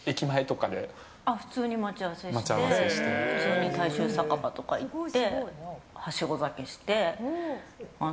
普通に待ち合わせして普通に大衆酒場とか行って。